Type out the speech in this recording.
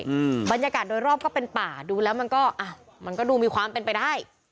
อืมบรรยากาศโดยรอบก็เป็นป่าดูแล้วมันก็อ่ะมันก็ดูมีความเป็นไปได้